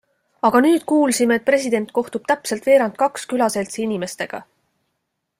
Aga nüüd kuulsime, et president kohtub täpselt veerand kaks külaseltsi inimestega.